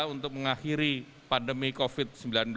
untuk mengakhiri pandemi covid sembilan belas